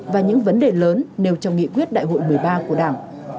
và những vấn đề lớn nêu trong nghị quyết đại hội một mươi ba của đảng